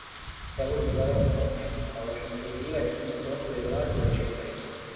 কেবল নিবারণ নহে, হরসুন্দরীও একটা নূতন বেদনার পরিচয় পাইল।